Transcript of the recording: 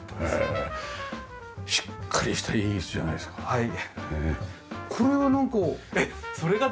はい。